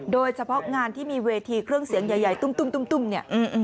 โดยเฉพาะงานที่มีเวทีเครื่องเสียงใหญ่